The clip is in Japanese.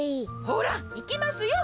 ほらいきますよ。